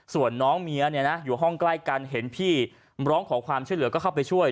ส่วนน้องเมียเนี่ยนะอยู่ห้องใกล้กันเห็นพี่ร้องขอความช่วยเหลือก็เข้าไปช่วย